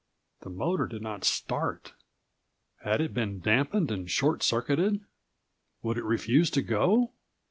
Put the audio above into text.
The motor did not start. Had it been dampened and short circuited? Would it refuse to go?